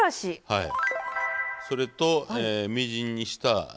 はい。